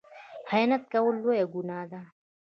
خیانت کول لویه ګناه ده